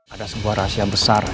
ada sebuah rahasia besar